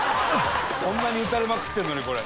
「こんなに撃たれまくってるのにこれ」